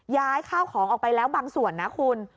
ย้ายข้าวของออกไปแล้วบางส่วนนะคุณ